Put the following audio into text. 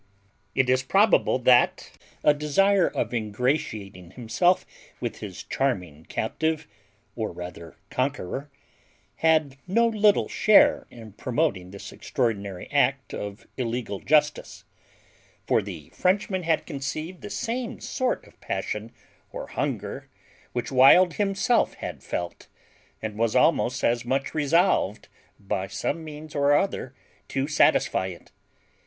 It is probable that a desire of ingratiating himself with his charming captive, or rather conqueror, had no little share in promoting this extraordinary act of illegal justice; for the Frenchman had conceived the same sort of passion or hunger which Wild himself had felt, and was almost as much resolved, by some means or other, to satisfy it.